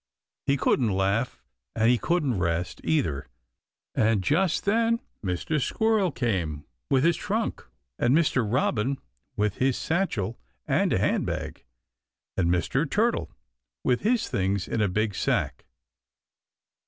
He couldn't laugh, and he couldn't rest, either. And just then Mr. Squirrel came with his trunk, and Mr. Robin with his satchel and a hand bag, and Mr. Turtle with his things in a big sack.